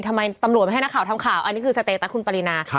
ทำไมตำรวจไม่ให้นักข่าวทำข่าวอันนี้คือสเตตัสคุณปรินา